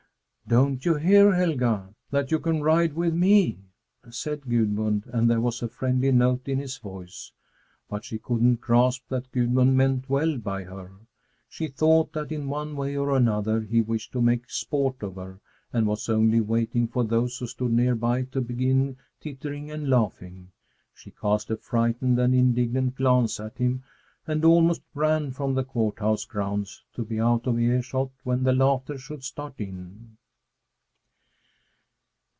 "Don't you hear, Helga, that you can ride with me?" said Gudmund, and there was a friendly note in his voice. But she couldn't grasp that Gudmund meant well by her. She thought that, in one way or another, he wished to make sport of her and was only waiting for those who stood near by to begin tittering and laughing. She cast a frightened and indignant glance at him, and almost ran from the Court House grounds to be out of earshot when the laughter should start in.